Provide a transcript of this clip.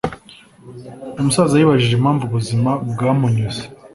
umusaza yibajije impamvu ubuzima bwamunyuze.